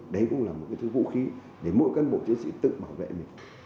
đấy cũng là một cái thứ vũ khí để mỗi cán bộ chiến sĩ tự bảo vệ mình